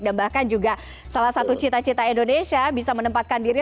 bahkan juga salah satu cita cita indonesia bisa menempatkan diri